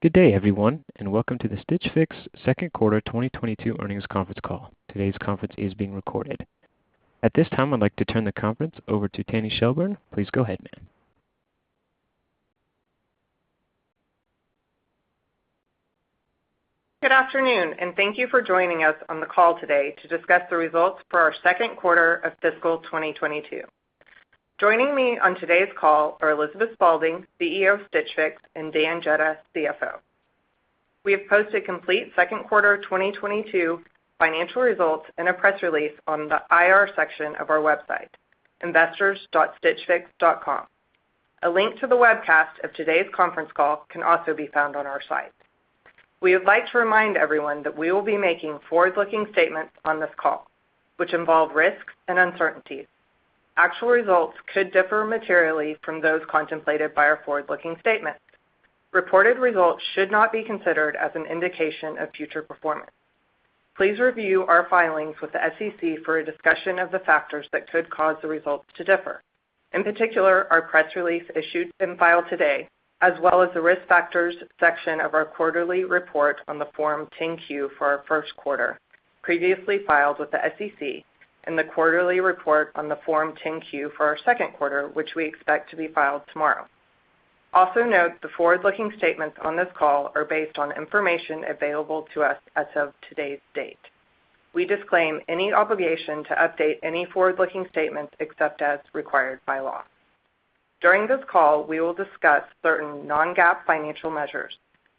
Good day, everyone, and welcome to the Stitch Fix second quarter 2022 earnings conference call. Today's conference is being recorded. At this time, I'd like to turn the conference over to Tanny Shelburne. Please go ahead, ma'am. Good afternoon, and thank you for joining us on the call today to discuss the results for our second quarter of fiscal 2022. Joining me on today's call are Elizabeth Spaulding, CEO of Stitch Fix, and Dan Jedda, CFO. We have posted complete second quarter 2022 financial results in a press release on the IR section of our website, investors.stitchfix.com. A link to the webcast of today's conference call can also be found on our site. We would like to remind everyone that we will be making forward-looking statements on this call, which involve risks and uncertainties. Actual results could differ materially from those contemplated by our forward-looking statements. Reported results should not be considered as an indication of future performance. Please review our filings with the SEC for a discussion of the factors that could cause the results to differ. In particular, our press release issued and filed today, as well as the Risk Factors section of our quarterly report on Form 10-Q for our first quarter, previously filed with the SEC, and the quarterly report on Form 10-Q for our second quarter, which we expect to be filed tomorrow. Also note the forward-looking statements on this call are based on information available to us as of today's date. We disclaim any obligation to update any forward-looking statements except as required by law. During this call, we will discuss certain non-GAAP financial measures.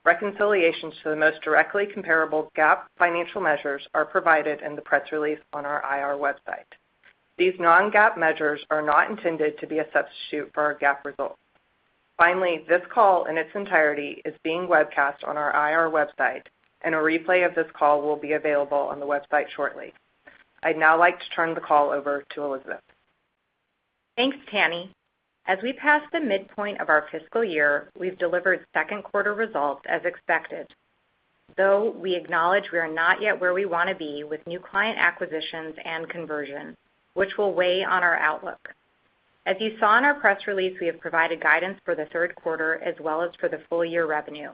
Reconciliations to the most directly comparable GAAP financial measures are provided in the press release on our IR website. These non-GAAP measures are not intended to be a substitute for our GAAP results. Finally, this call in its entirety is being webcast on our IR website, and a replay of this call will be available on the website shortly. I'd now like to turn the call over to Elizabeth. Thanks, Tanny. As we pass the midpoint of our fiscal year, we've delivered second quarter results as expected. Though we acknowledge we are not yet where we want to be with new client acquisitions and conversion, which will weigh on our outlook. As you saw in our press release, we have provided guidance for the third quarter as well as for the full year revenue.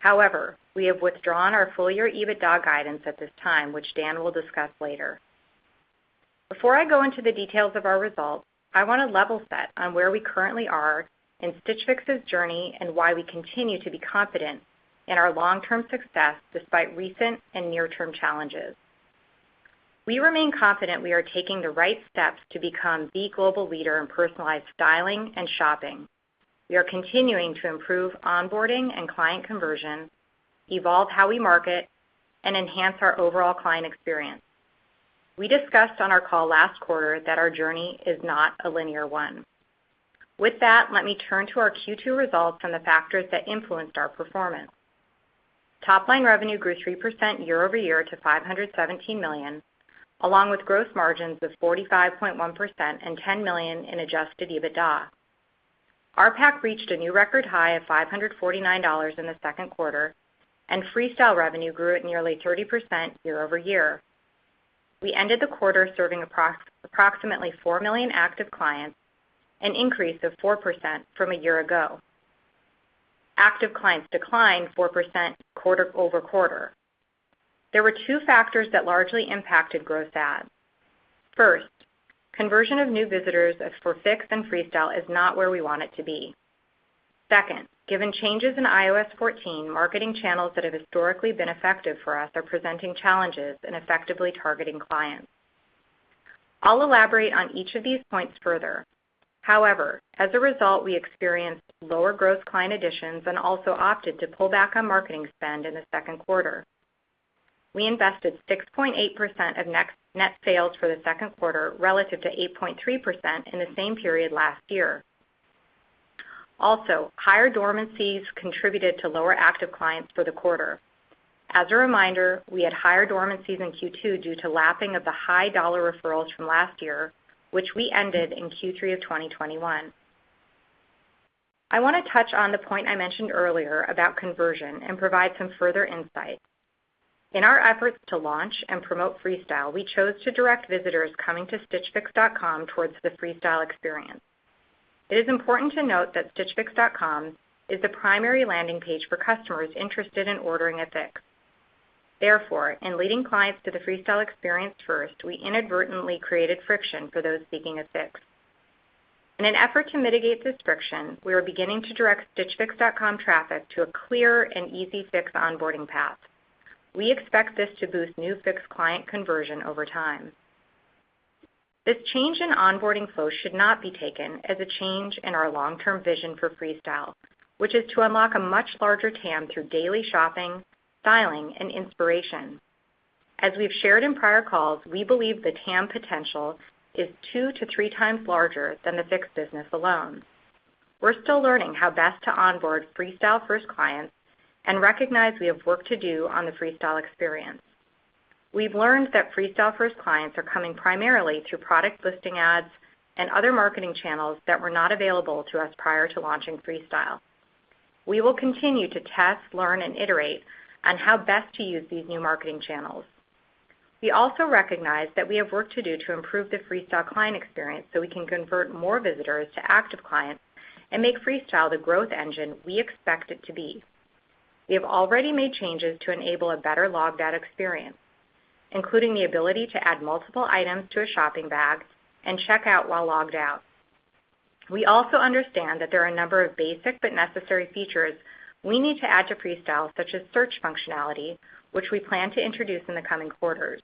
However, we have withdrawn our full year EBITDA guidance at this time, which Dan will discuss later. Before I go into the details of our results, I want to level set on where we currently are in Stitch Fix's journey and why we continue to be confident in our long-term success despite recent and near-term challenges. We remain confident we are taking the right steps to become the global leader in personalized styling and shopping. We are continuing to improve onboarding and client conversion, evolve how we market, and enhance our overall client experience. We discussed on our call last quarter that our journey is not a linear one. With that, let me turn to our Q2 results and the factors that influenced our performance. Top-line revenue grew 3% year-over-year to $517 million, along with gross margins of 45.1% and $10 million in Adjusted EBITDA. RPAC reached a new record high of $549 in the second quarter, and Freestyle revenue grew at nearly 30% year-over-year. We ended the quarter serving approximately 4 million active clients, an increase of 4% from a year ago. Active clients declined 4% quarter-over-quarter. There were two factors that largely impacted growth ads. First, conversion of new visitors as for Fix and Freestyle is not where we want it to be. Second, given changes in iOS 14, marketing channels that have historically been effective for us are presenting challenges in effectively targeting clients. I'll elaborate on each of these points further. However, as a result, we experienced lower gross client additions and also opted to pull back on marketing spend in the second quarter. We invested 6.8% of net sales for the second quarter relative to 8.3% in the same period last year. Also, higher dormancies contributed to lower active clients for the quarter. As a reminder, we had higher dormancies in Q2 due to lapping of the high dollar referrals from last year, which we ended in Q3 of 2021. I want to touch on the point I mentioned earlier about conversion and provide some further insight. In our efforts to launch and promote Freestyle, we chose to direct visitors coming to stitchfix.com towards the Freestyle experience. It is important to note that stitchfix.com is the primary landing page for customers interested in ordering a Fix. Therefore, in leading clients to the Freestyle experience first, we inadvertently created friction for those seeking a Fix. In an effort to mitigate this friction, we are beginning to direct stitchfix.com traffic to a clear and easy Fix onboarding path. We expect this to boost new Fix client conversion over time. This change in onboarding flow should not be taken as a change in our long-term vision for Freestyle, which is to unlock a much larger TAM through daily shopping, styling, and inspiration. As we've shared in prior calls, we believe the TAM potential is 2x-3x larger than the Fix business alone. We're still learning how best to onboard Freestyle first clients and recognize we have work to do on the Freestyle experience. We've learned that Freestyle first clients are coming primarily through product listing ads and other marketing channels that were not available to us prior to launching Freestyle. We will continue to test, learn, and iterate on how best to use these new marketing channels. We also recognize that we have work to do to improve the Freestyle client experience so we can convert more visitors to active clients and make Freestyle the growth engine we expect it to be. We have already made changes to enable a better logged out experience, including the ability to add multiple items to a shopping bag and check out while logged out. We also understand that there are a number of basic but necessary features we need to add to Freestyle, such as search functionality, which we plan to introduce in the coming quarters.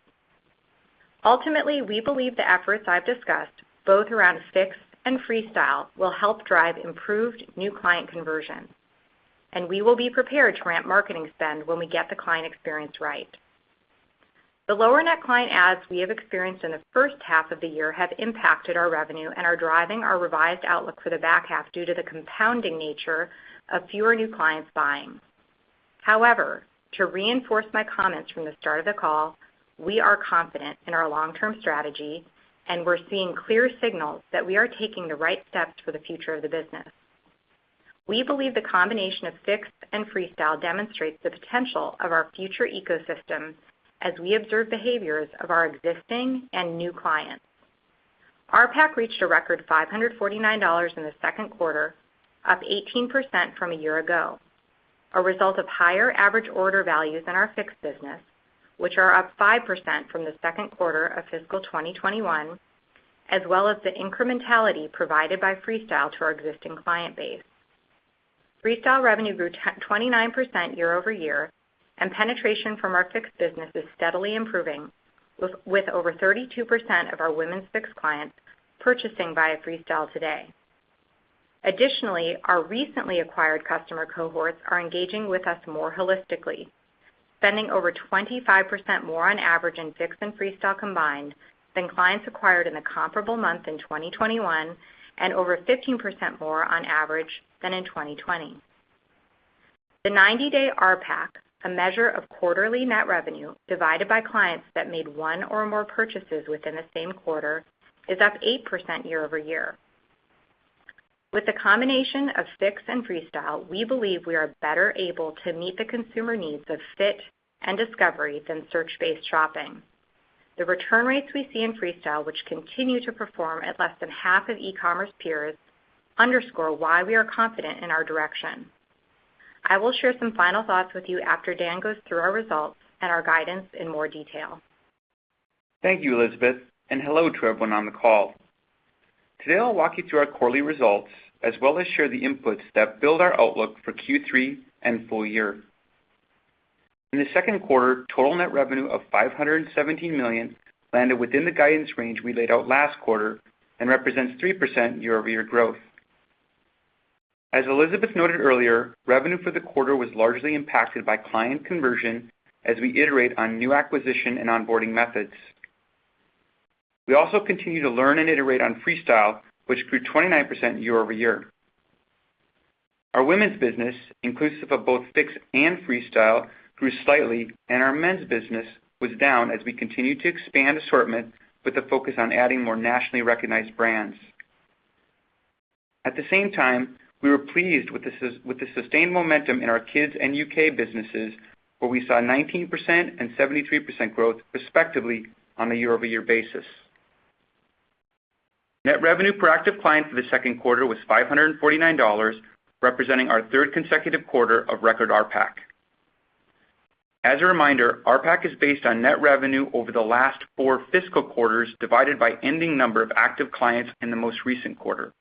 Ultimately, we believe the efforts I've discussed, both around Fix and Freestyle, will help drive improved new client conversion, and we will be prepared to ramp marketing spend when we get the client experience right. The lower net client adds we have experienced in the first half of the year have impacted our revenue and are driving our revised outlook for the back half due to the compounding nature of fewer new clients buying. However, to reinforce my comments from the start of the call, we are confident in our long-term strategy, and we're seeing clear signals that we are taking the right steps for the future of the business. We believe the combination of Fix and Freestyle demonstrates the potential of our future ecosystem as we observe behaviors of our existing and new clients. RPAC reached a record $549 in the second quarter, up 18% from a year ago, a result of higher average order values in our Fix business, which are up 5% from the second quarter of fiscal 2021, as well as the incrementality provided by Freestyle to our existing client base. Freestyle revenue grew 29% year-over-year, and penetration from our Fix business is steadily improving, with over 32% of our Women's Fix clients purchasing via Freestyle today. Additionally, our recently acquired customer cohorts are engaging with us more holistically, spending over 25% more on average in Fix and Freestyle combined than clients acquired in the comparable month in 2021 and over 15% more on average than in 2020. The 90-day RPAC, a measure of quarterly net revenue divided by clients that made one or more purchases within the same quarter, is up 8% year-over-year. With the combination of Fix and Freestyle, we believe we are better able to meet the consumer needs of fit and discovery than search-based shopping. The return rates we see in Freestyle, which continue to perform at less than half of e-commerce peers, underscore why we are confident in our direction. I will share some final thoughts with you after Dan goes through our results and our guidance in more detail. Thank you, Elizabeth, and hello to everyone on the call. Today, I'll walk you through our quarterly results as well as share the inputs that build our outlook for Q3 and full year. In the second quarter, total net revenue of $517 million landed within the guidance range we laid out last quarter and represents 3% year-over-year growth. As Elizabeth noted earlier, revenue for the quarter was largely impacted by client conversion as we iterate on new acquisition and onboarding methods. We also continue to learn and iterate on Freestyle, which grew 29% year-over-year. Our women's business, inclusive of both Fix and Freestyle, grew slightly, and our men's business was down as we continue to expand assortment with a focus on adding more nationally recognized brands. At the same time, we were pleased with the sustained momentum in our Kids and U.K. businesses, where we saw 19% and 73% growth respectively on a year-over-year basis. Net revenue per active client for the second quarter was $549, representing our third consecutive quarter of record RPAC. As a reminder, RPAC is based on net revenue over the last four fiscal quarters divided by ending number of active clients in the most recent quarter.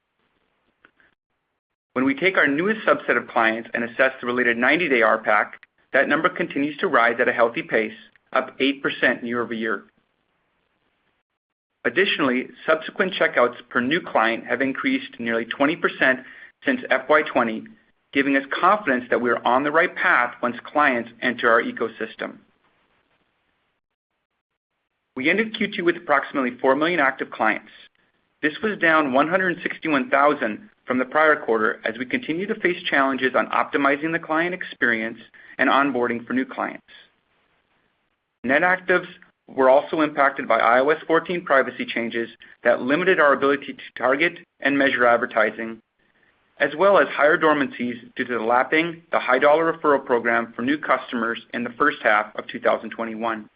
When we take our newest subset of clients and assess the related 90-day RPAC, that number continues to rise at a healthy pace, up 8% year-over-year. Additionally, subsequent checkouts per new client have increased nearly 20% since FY 2020, giving us confidence that we are on the right path once clients enter our ecosystem. We ended Q2 with approximately four million active clients. This was down 161,000 from the prior quarter as we continue to face challenges on optimizing the client experience and onboarding for new clients. Net actives were also impacted by iOS 14 privacy changes that limited our ability to target and measure advertising, as well as higher dormancies due to lapping the high dollar referral program for new customers in the first half of 2021.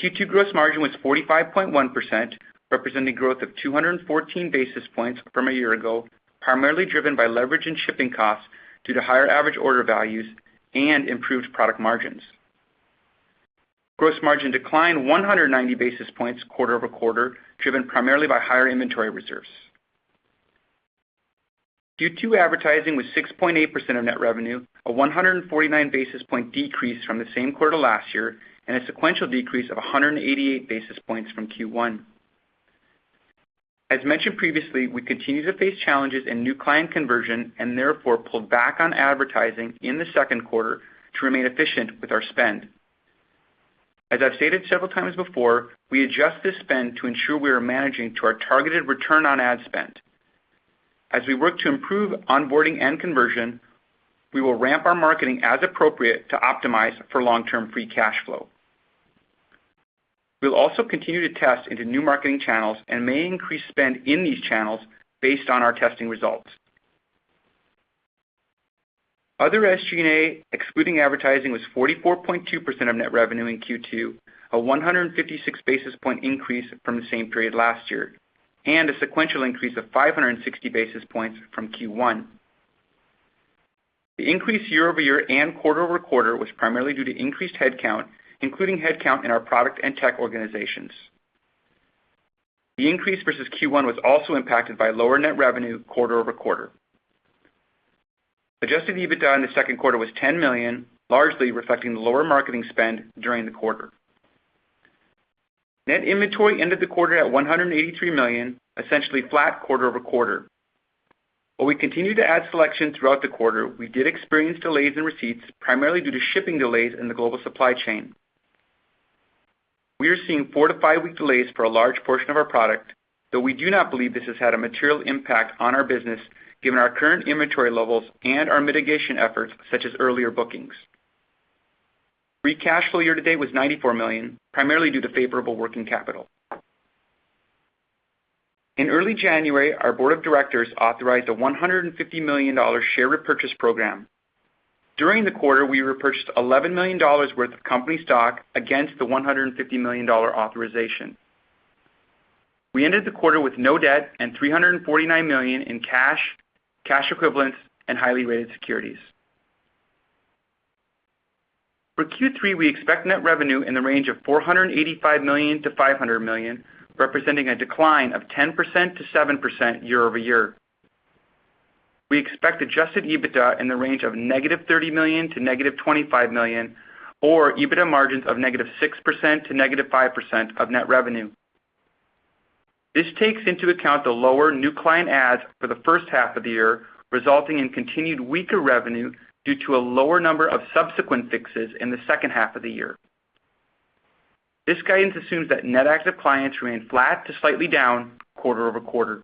Q2 gross margin was 45.1%, representing growth of 214 basis points from a year ago, primarily driven by leverage in shipping costs due to higher average order values and improved product margins. Gross margin declined 190 basis points quarter-over-quarter, driven primarily by higher inventory reserves. Q2 advertising was 6.8% of net revenue, a 149 basis points decrease from the same quarter last year, and a sequential decrease of 188 basis points from Q1. As mentioned previously, we continue to face challenges in new client conversion and therefore pulled back on advertising in the second quarter to remain efficient with our spend. As I've stated several times before, we adjust this spend to ensure we are managing to our targeted return on ad spend. As we work to improve onboarding and conversion, we will ramp our marketing as appropriate to optimize for long-term free cash flow. We'll also continue to test into new marketing channels and may increase spend in these channels based on our testing results. Other SG&A, excluding advertising, was 44.2% of net revenue in Q2, a 156 basis point increase from the same period last year, and a sequential increase of 560 basis points from Q1. The increase year-over-year and quarter-over-quarter was primarily due to increased headcount, including headcount in our product and tech organizations. The increase versus Q1 was also impacted by lower net revenue quarter-over-quarter. Adjusted EBITDA in the second quarter was $10 million, largely reflecting the lower marketing spend during the quarter. Net inventory ended the quarter at $183 million, essentially flat quarter-over-quarter. While we continued to add selection throughout the quarter, we did experience delays in receipts, primarily due to shipping delays in the global supply chain. We are seeing four to five-week delays for a large portion of our product, though we do not believe this has had a material impact on our business given our current inventory levels and our mitigation efforts, such as earlier bookings. Free cash flow year to date was $94 million, primarily due to favorable working capital. In early January, our board of directors authorized a $150 million share repurchase program. During the quarter, we repurchased $11 million worth of company stock against the $150 million authorization. We ended the quarter with no debt and $349 million in cash equivalents, and highly rated securities. For Q3, we expect net revenue in the range of $485 million-$500 million, representing a decline of 10%-7% year-over-year. We expect Adjusted EBITDA in the range of -$30 million-$25 million, or EBITDA margins of -6% to -5% of net revenue. This takes into account the lower new client adds for the first half of the year, resulting in continued weaker revenue due to a lower number of subsequent fixes in the second half of the year. This guidance assumes that net active clients remain flat to slightly down quarter-over-quarter.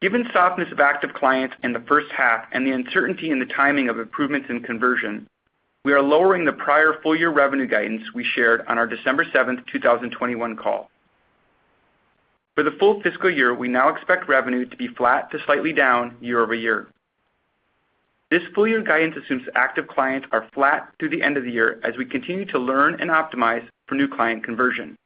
Given softness of active clients in the first half and the uncertainty in the timing of improvements in conversion, we are lowering the prior full year revenue guidance we shared on our December 7th, 2021 call. For the full fiscal year, we now expect revenue to be flat to slightly down year-over-year. This full year guidance assumes active clients are flat through the end of the year as we continue to learn and optimize for new client conversion.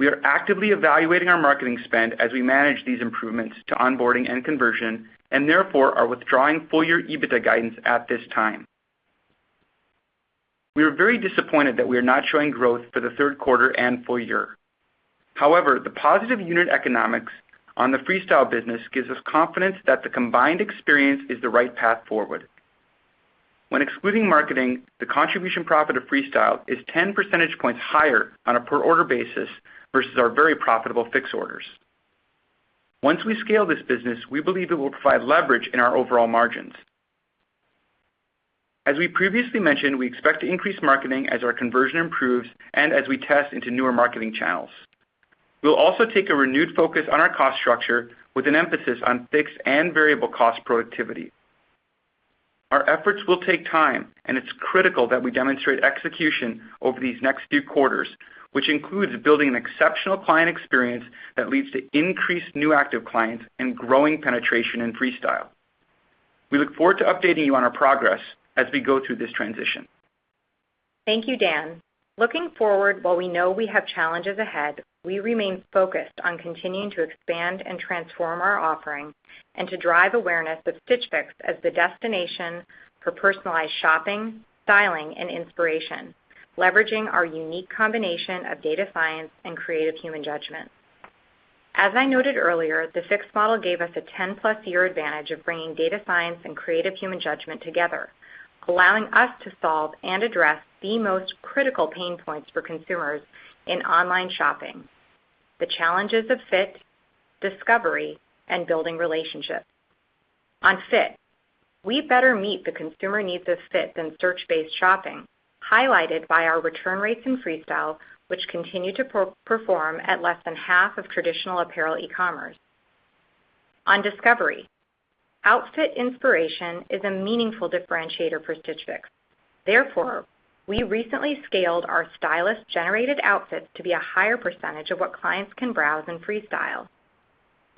We are actively evaluating our marketing spend as we manage these improvements to onboarding and conversion, and therefore are withdrawing full year EBITDA guidance at this time. We are very disappointed that we are not showing growth for the third quarter and full year. However, the positive unit economics on the Freestyle business gives us confidence that the combined experience is the right path forward. When excluding marketing, the contribution profit of Freestyle is 10 percentage points higher on a per order basis versus our very profitable Fix orders. Once we scale this business, we believe it will provide leverage in our overall margins. As we previously mentioned, we expect to increase marketing as our conversion improves and as we test into newer marketing channels. We'll also take a renewed focus on our cost structure with an emphasis on fixed and variable cost productivity. Our efforts will take time, and it's critical that we demonstrate execution over these next few quarters, which includes building an exceptional client experience that leads to increased new active clients and growing penetration in Freestyle. We look forward to updating you on our progress as we go through this transition. Thank you, Dan. Looking forward, while we know we have challenges ahead, we remain focused on continuing to expand and transform our offering and to drive awareness of Stitch Fix as the destination for personalized shopping, styling, and inspiration, leveraging our unique combination of data science and creative human judgment. As I noted earlier, the Fix model gave us a 10+ year advantage of bringing data science and creative human judgment together, allowing us to solve and address the most critical pain points for consumers in online shopping, the challenges of fit, discovery, and building relationships. On fit, we better meet the consumer needs for fit than search-based shopping, highlighted by our return rates in Freestyle, which continue to outperform at less than half of traditional apparel e-commerce. On discovery, outfit inspiration is a meaningful differentiator for Stitch Fix. Therefore, we recently scaled our stylist-generated outfits to be a higher percentage of what clients can browse in Freestyle.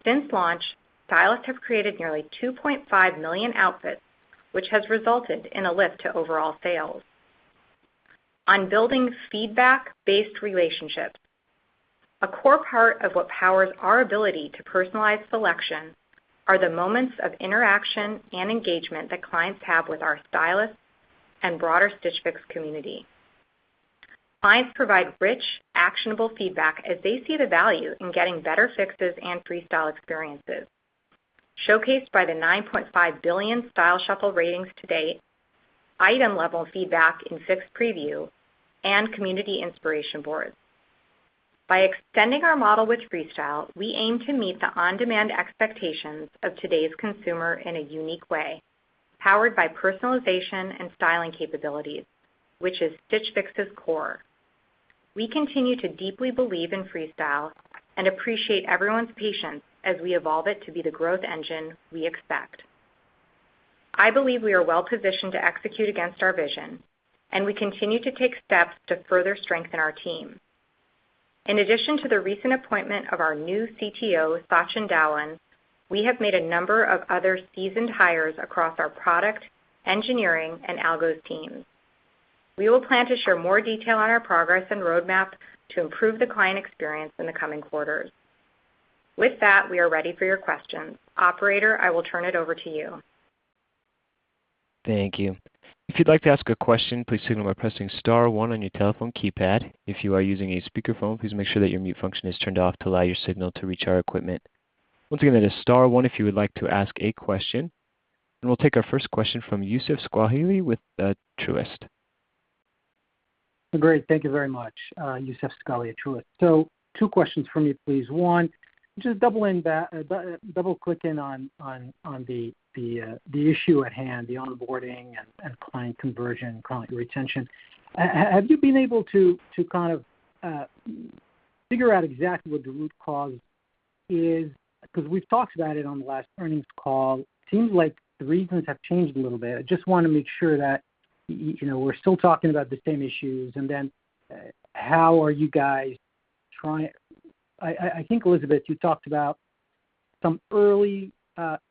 Since launch, stylists have created nearly 2.5 million outfits, which has resulted in a lift to overall sales. On building feedback-based relationships, a core part of what powers our ability to personalize selection are the moments of interaction and engagement that clients have with our stylists and broader Stitch Fix community. Clients provide rich, actionable feedback as they see the value in getting better fixes and Freestyle experiences, showcased by the 9.5 billion Style Shuffle ratings to date, item-level feedback in Fix Preview, and community inspiration boards. By extending our model with Freestyle, we aim to meet the on-demand expectations of today's consumer in a unique way, powered by personalization and styling capabilities, which is Stitch Fix's core. We continue to deeply believe in Freestyle and appreciate everyone's patience as we evolve it to be the growth engine we expect. I believe we are well positioned to execute against our vision, and we continue to take steps to further strengthen our team. In addition to the recent appointment of our new CTO, Sachin Dhawan, we have made a number of other seasoned hires across our product, engineering, and algos teams. We will plan to share more detail on our progress and roadmap to improve the client experience in the coming quarters. With that, we are ready for your questions. Operator, I will turn it over to you. Thank you. If you'd like to ask a question, please signal by pressing star one on your telephone keypad. If you are using a speakerphone, please make sure that your mute function is turned off to allow your signal to reach our equipment. Once again, that is star one if you would like to ask a question. We'll take our first question from Youssef Squali with Truist. Great. Thank you very much, Youssef Squali at Truist. Two questions from me, please. One, just double clicking on the issue at hand, the onboarding and client conversion, client retention. Have you been able to kind of figure out exactly what the root cause is? Because we've talked about it on the last earnings call. Seems like the reasons have changed a little bit. I just wanna make sure that, you know, we're still talking about the same issues. Then, how are you guys trying? I think, Elizabeth, you talked about some early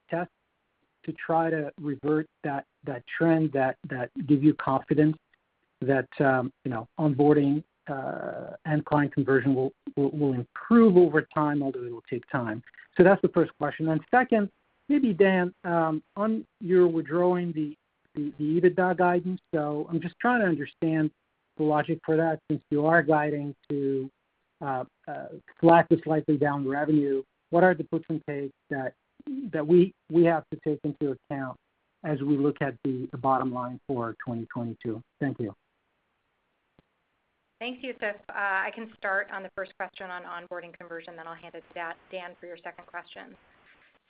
tests to try to revert that trend that give you confidence that, you know, onboarding and client conversion will improve over time, although it will take time. That's the first question. Second, maybe Dan, on your withdrawing the EBITDA guidance. I'm just trying to understand the logic for that since you are guiding to flat to slightly down revenue. What are the puts and takes that we have to take into account as we look at the bottom line for 2022? Thank you. Thanks, Youssef. I can start on the first question on onboarding conversion, then I'll hand it to Dan for your second question.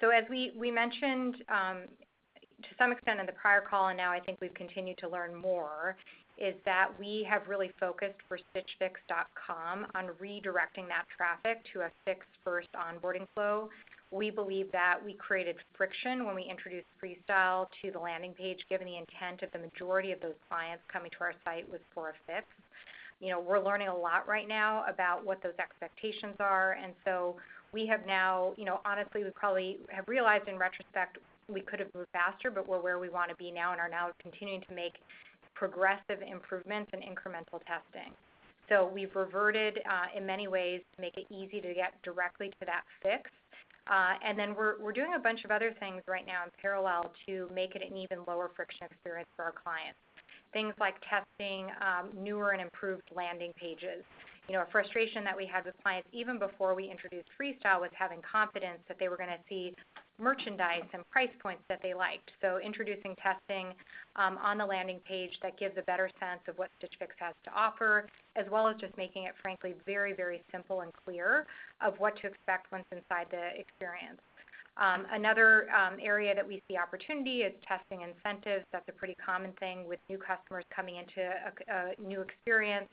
As we mentioned, to some extent in the prior call, and now I think we've continued to learn more, is that we have really focused for stitchfix.com on redirecting that traffic to a Fix-first onboarding flow. We believe that we created friction when we introduced Freestyle to the landing page, given the intent of the majority of those clients coming to our site was for a Fix. You know, we're learning a lot right now about what those expectations are. We have now, you know, honestly, we probably have realized in retrospect, we could have moved faster, but we're where we wanna be now and are now continuing to make progressive improvements and incremental testing. We've reverted in many ways to make it easy to get directly to that fix. We're doing a bunch of other things right now in parallel to make it an even lower friction experience for our clients. Things like testing newer and improved landing pages. You know, a frustration that we had with clients even before we introduced Freestyle was having confidence that they were gonna see merchandise and price points that they liked. Introducing testing on the landing page that gives a better sense of what Stitch Fix has to offer, as well as just making it, frankly, very, very simple and clear of what to expect once inside the experience. Another area that we see opportunity is testing incentives. That's a pretty common thing with new customers coming into a new experience.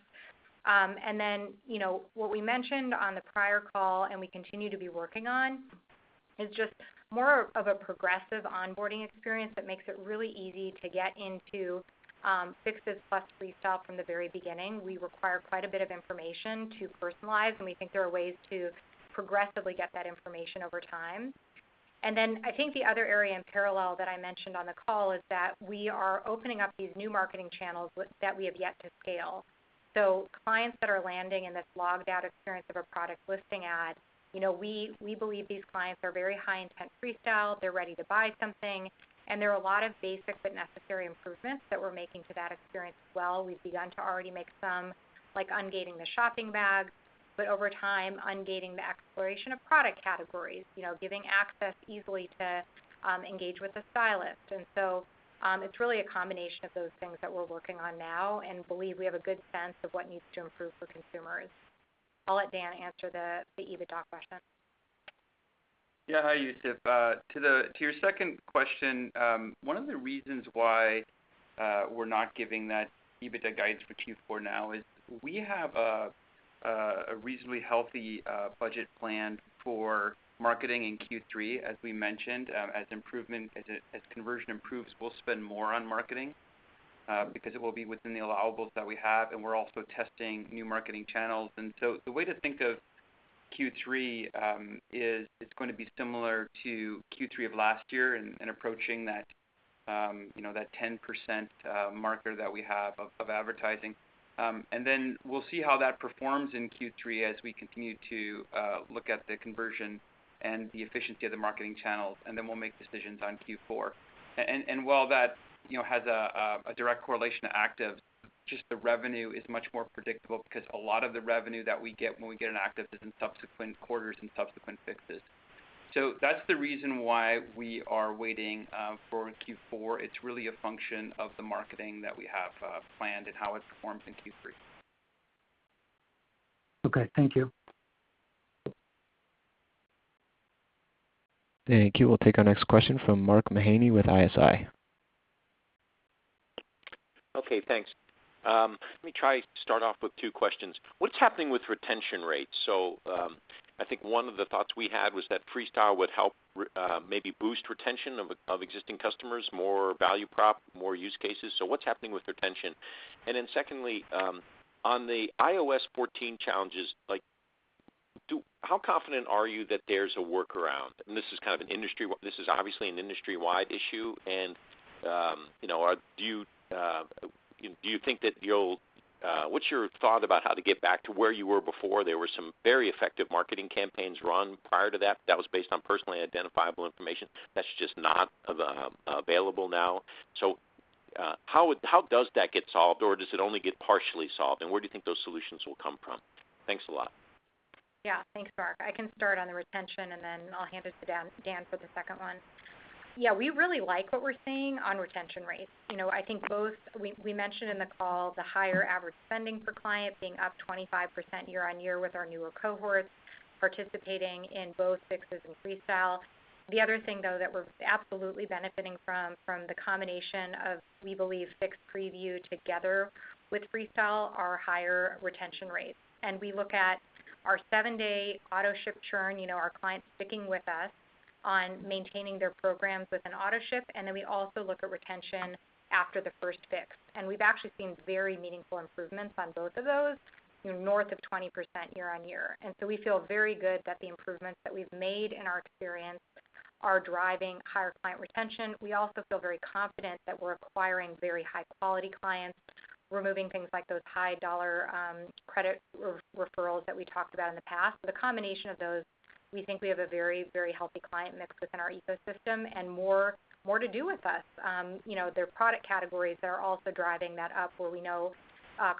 What we mentioned on the prior call and we continue to be working on is just more of a progressive onboarding experience that makes it really easy to get into fixes plus Freestyle from the very beginning. We require quite a bit of information to personalize, and we think there are ways to progressively get that information over time. I think the other area in parallel that I mentioned on the call is that we are opening up these new marketing channels with that we have yet to scale. Clients that are landing in this logged out experience of a product listing ad, you know, we believe these clients are very high intent Freestyle, they're ready to buy something, and there are a lot of basic but necessary improvements that we're making to that experience as well. We've begun to already make some, like ungating the shopping bag, but over time, ungating the exploration of product categories, you know, giving access easily to engage with a stylist. It's really a combination of those things that we're working on now and believe we have a good sense of what needs to improve for consumers. I'll let Dan answer the EBITDA question. Yeah. Hi, Youssef. To your second question, one of the reasons why we're not giving that EBITDA guidance for Q4 now is we have a reasonably healthy budget plan for marketing in Q3, as we mentioned. As conversion improves, we'll spend more on marketing because it will be within the allowables that we have, and we're also testing new marketing channels. The way to think of Q3 is it's gonna be similar to Q3 of last year and approaching that, you know, that 10% marker that we have of advertising. Then we'll see how that performs in Q3 as we continue to look at the conversion and the efficiency of the marketing channels, and then we'll make decisions on Q4. While that, you know, has a direct correlation to actives, just the revenue is much more predictable because a lot of the revenue that we get when we get an active is in subsequent quarters and subsequent fixes. That's the reason why we are waiting for Q4. It's really a function of the marketing that we have planned and how it performs in Q3. Okay. Thank you. Thank you. We'll take our next question from Mark Mahaney with ISI. Okay, thanks. Let me try to start off with two questions. What's happening with retention rates? I think one of the thoughts we had was that Freestyle would help maybe boost retention of existing customers, more value prop, more use cases. What's happening with retention? And then secondly, on the iOS 14 challenges, how confident are you that there's a workaround? And this is kind of an industry-wide issue and, you know, do you think that you'll, what's your thought about how to get back to where you were before? There were some very effective marketing campaigns run prior to that was based on personally identifiable information that's just not available now. How does that get solved, or does it only get partially solved, and where do you think those solutions will come from? Thanks a lot. Yeah. Thanks, Mark. I can start on the retention, and then I'll hand it to Dan for the second one. Yeah, we really like what we're seeing on retention rates. You know, I think both. We mentioned in the call the higher average spending per client being up 25% year-on-year with our newer cohorts participating in both Fixes and Freestyle. The other thing, though, that we're absolutely benefiting from the combination of, we believe, Fix Preview together with Freestyle are higher retention rates. We look at our seven-day autoship churn, you know, our clients sticking with us on maintaining their programs with an autoship, and then we also look at retention after the first Fix. We've actually seen very meaningful improvements on both of those, you know, north of 20% year-on-year. We feel very good that the improvements that we've made in our experience are driving higher client retention. We also feel very confident that we're acquiring very high quality clients, removing things like those high-dollar credit referrals that we talked about in the past. The combination of those, we think we have a very, very healthy client mix within our ecosystem and more to do with us. You know, their product categories are also driving that up where we know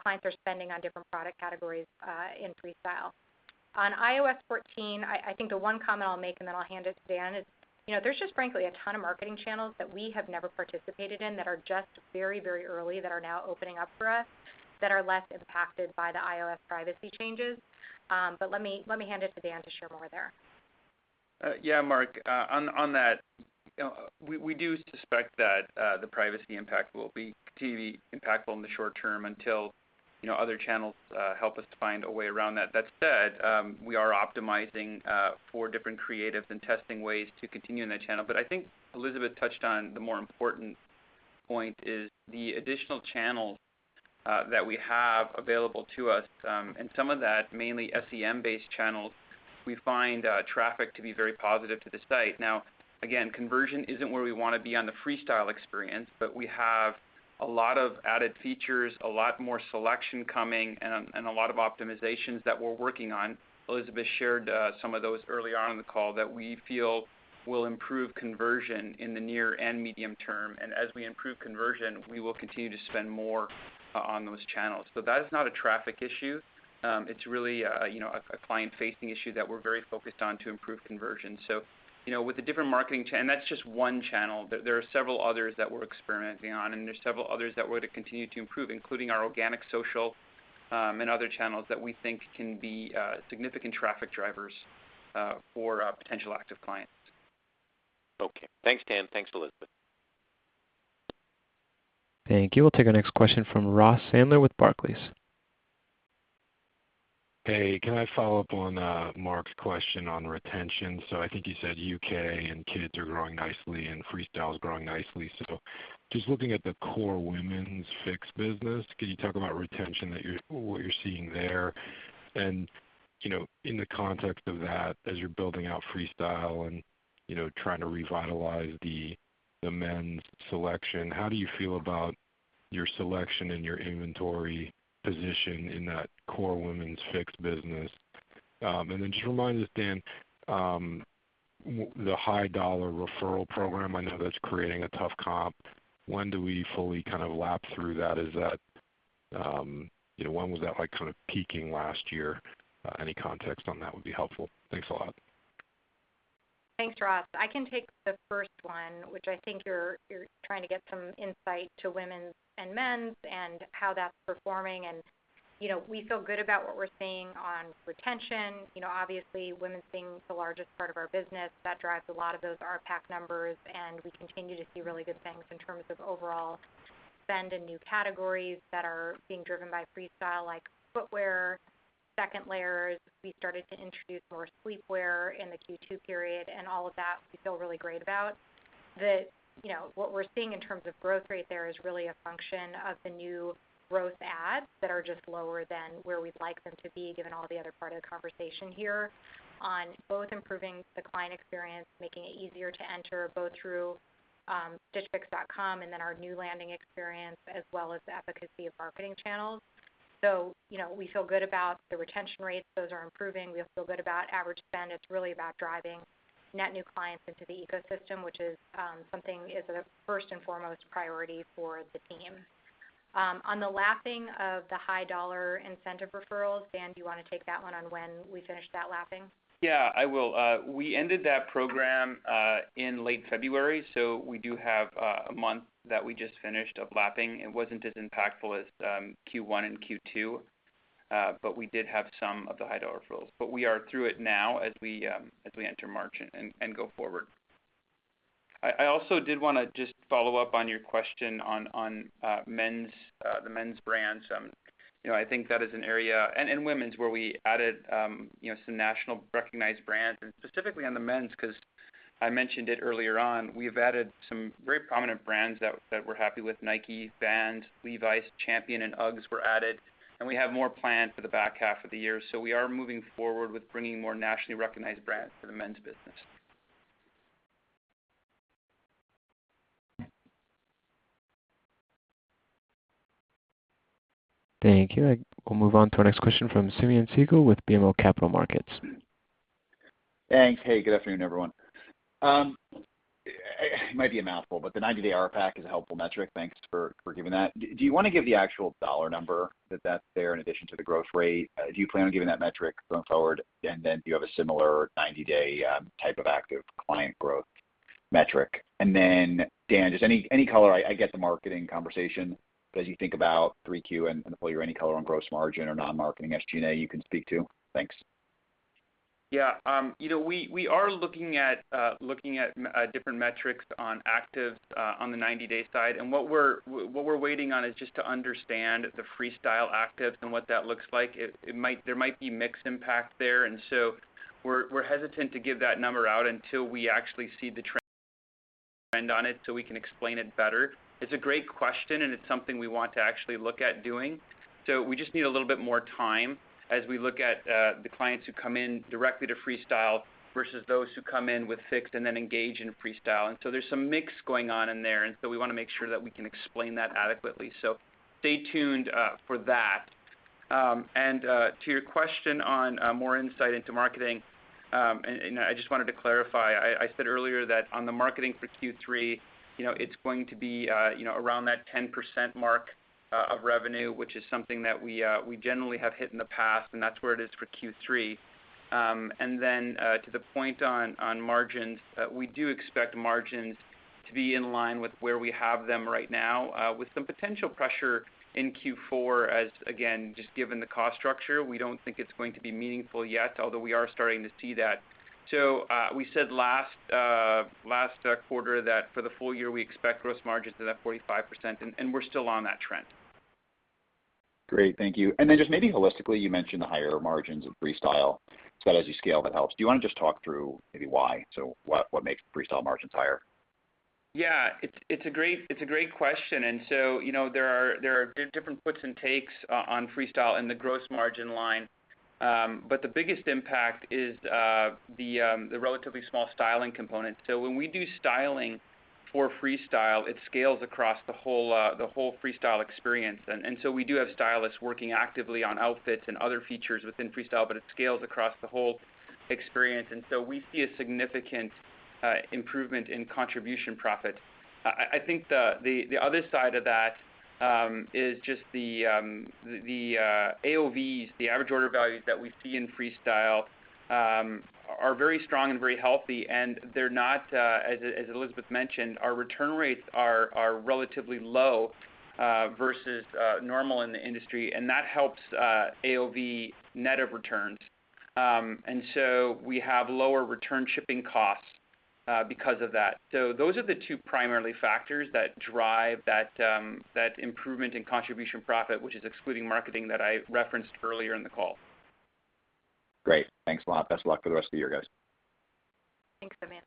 clients are spending on different product categories in Freestyle. On iOS 14, I think the one comment I'll make, and then I'll hand it to Dan, is, you know, there's just frankly a ton of marketing channels that we have never participated in that are just very, very early that are now opening up for us that are less impacted by the iOS privacy changes. Let me hand it to Dan to share more there. Yeah, Mark, on that, you know, we do suspect that the privacy impact will continue to be impactful in the short term until, you know, other channels help us to find a way around that. That said, we are optimizing for different creatives and testing ways to continue in that channel. I think Elizabeth touched on the more important point is the additional channels that we have available to us. Some of that, mainly SEM-based channels, we find traffic to be very positive to the site. Now, again, conversion isn't where we wanna be on the Freestyle experience, but we have a lot of added features, a lot more selection coming, and a lot of optimizations that we're working on. Elizabeth shared some of those early on in the call that we feel will improve conversion in the near and medium term. As we improve conversion, we will continue to spend more on those channels. That is not a traffic issue. It's really, you know, a client-facing issue that we're very focused on to improve conversion. You know, with the different marketing and that's just one channel. There are several others that we're experimenting on, and there's several others that we're to continue to improve, including our organic social and other channels that we think can be significant traffic drivers for our potential active clients. Okay. Thanks, Dan. Thanks, Elizabeth. Thank you. We'll take our next question from Ross Sandler with Barclays. Hey, can I follow up on Mark's question on retention? I think you said U.K. and kids are growing nicely and Freestyle is growing nicely. Just looking at the core women's Fix business, could you talk about retention, what you're seeing there? You know, in the context of that, as you're building out Freestyle and trying to revitalize the men's selection, how do you feel about your selection and your inventory position in that core women's Fix business? Just remind us, Dan, the high dollar referral program. I know that's creating a tough comp. When do we fully kind of lap through that? You know, when was that, like, kind of peaking last year? Any context on that would be helpful. Thanks a lot. Thanks, Ross. I can take the first one, which I think you're trying to get some insight to women's and men's and how that's performing. You know, we feel good about what we're seeing on retention. You know, obviously, women's being the largest part of our business, that drives a lot of those RPAC numbers, and we continue to see really good things in terms of overall spend in new categories that are being driven by Freestyle, like footwear, second layers. We started to introduce more sleepwear in the Q2 period and all of that we feel really great about. You know, what we're seeing in terms of growth rate there is really a function of the new growth adds that are just lower than where we'd like them to be given all the other part of the conversation here on both improving the client experience, making it easier to enter both through stitchfix.com and then our new landing experience as well as the efficacy of marketing channels. You know, we feel good about the retention rates. Those are improving. We feel good about average spend. It's really about driving net new clients into the ecosystem, which is something is a first and foremost priority for the team. On the lapping of the high dollar incentive referrals, Dan, do you wanna take that one on when we finish that lapping? Yeah, I will. We ended that program in late February, so we do have a month that we just finished of lapping. It wasn't as impactful as Q1 and Q2, but we did have some of the high dollar referrals. We are through it now as we enter March and go forward. I also did wanna just follow up on your question on the men's brands. You know, I think that is an area and women's, where we added you know, some nationally recognized brands, and specifically on the men's, 'cause I mentioned it earlier on, we have added some very prominent brands that we're happy with. Nike, Vuori, Levi's, Champion, and UGG were added, and we have more planned for the back half of the year. We are moving forward with bringing more nationally recognized brands for the men's business. Thank you. We'll move on to our next question from Simeon Siegel with BMO Capital Markets. Thanks. Hey, good afternoon, everyone. It might be a mouthful, but the 90-day ARPAC is a helpful metric. Thanks for giving that. Do you wanna give the actual dollar number that's out there in addition to the growth rate? Do you plan on giving that metric going forward? Do you have a similar 90-day type of active client growth metric? Dan, just any color, I get the marketing conversation as you think about 3Q and the full year, any color on gross margin or non-marketing SG&A you can speak to? Thanks. Yeah. You know, we are looking at different metrics on active on the 90-day side. What we're waiting on is just to understand the Freestyle actives and what that looks like. There might be mix impact there, and we're hesitant to give that number out until we actually see the trend on it so we can explain it better. It's a great question, and it's something we want to actually look at doing. We just need a little bit more time as we look at the clients who come in directly to Freestyle versus those who come in with Fix and then engage in Freestyle. There's some mix going on in there, and we wanna make sure that we can explain that adequately. Stay tuned for that. To your question on more insight into marketing, I just wanted to clarify. I said earlier that on the marketing for Q3, you know, it's going to be, you know, around that 10% mark of revenue, which is something that we generally have hit in the past, and that's where it is for Q3. To the point on margins, we do expect margins to be in line with where we have them right now, with some potential pressure in Q4 as, again, just given the cost structure. We don't think it's going to be meaningful yet, although we are starting to see that. We said last quarter that for the full year, we expect gross margins to that 45%, and we're still on that trend. Great. Thank you. Just maybe holistically, you mentioned the higher margins of Freestyle, so as you scale, that helps. Do you wanna just talk through maybe why? What makes Freestyle margins higher? It's a great question. There are different puts and takes on Freestyle in the gross margin line. But the biggest impact is the relatively small styling component. When we do styling for Freestyle, it scales across the whole Freestyle experience. We do have stylists working actively on outfits and other features within Freestyle, but it scales across the whole experience, and so we see a significant improvement in contribution profit. I think the other side of that is just the AOVs, the average order values that we see in Freestyle, are very strong and very healthy, and they're not, as Elizabeth mentioned, our return rates are relatively low versus normal in the industry, and that helps AOV net of returns. We have lower return shipping costs because of that. Those are the two primary factors that drive that improvement in contribution profit, which is excluding marketing that I referenced earlier in the call. Great. Thanks a lot. Best of luck for the rest of the year, guys. Thanks, Simeon.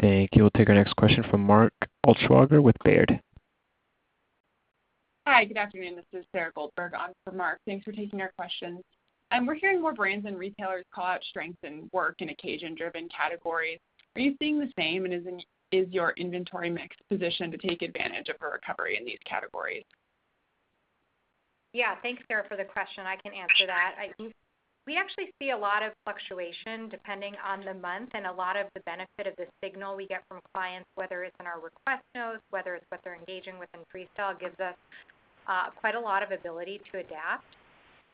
Thank you. We'll take our next question from Mark Altschwager with Baird. Hi, good afternoon. This is Sarah Goldberg on for Mark. Thanks for taking our questions. We're hearing more brands and retailers call out strengths in work and occasion-driven categories. Are you seeing the same, and is your inventory mix positioned to take advantage of a recovery in these categories? Yeah. Thanks, Sarah, for the question. I can answer that. I think we actually see a lot of fluctuation depending on the month, and a lot of the benefit of the signal we get from clients, whether it's in our request notes, whether it's what they're engaging with in Freestyle, gives us quite a lot of ability to adapt.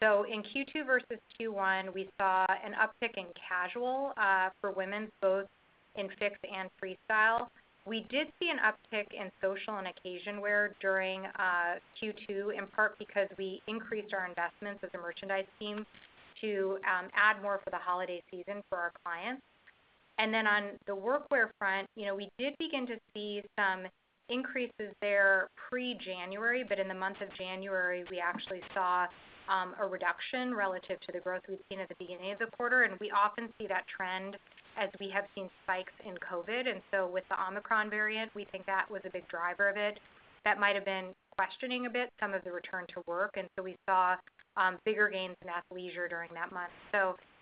In Q2 versus Q1, we saw an uptick in casual for women's, both in Fix and Freestyle. We did see an uptick in social and occasion wear during Q2, in part because we increased our investments with the merchandise team to add more for the holiday season for our clients. Then on the workwear front, you know, we did begin to see some increases there pre-January, but in the month of January, we actually saw a reduction relative to the growth we'd seen at the beginning of the quarter. We often see that trend as we have seen spikes in COVID, and so with the Omicron variant, we think that was a big driver of it. That might have been questioning a bit some of the return to work, and so we saw bigger gains in athleisure during that month.